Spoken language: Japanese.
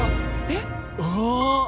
えっ？あっ！